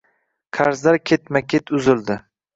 Qarzlar ketma ket uzildi